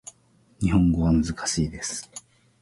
日本語は難しいです